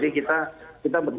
untuk apa namanya